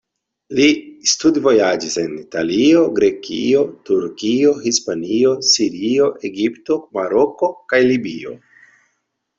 Li studvojaĝis en Italio, Grekio, Turkio, Hispanio, Sirio, Egipto, Maroko kaj Libio.